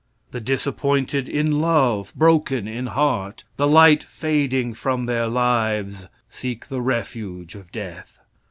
The disappointed in love, broken in heart the light fading from their lives seek the refuge of death.